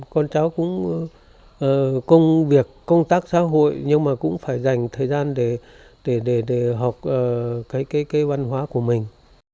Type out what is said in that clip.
con cháu cũng công việc công tác xã hội nhưng mà cũng phải dành thời gian để học cái văn hóa của mình